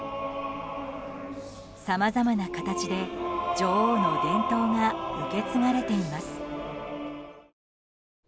さまざまな形で、女王の伝統が受け継がれています。